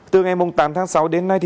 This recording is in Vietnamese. từ ngày tám tháng sáu đến nay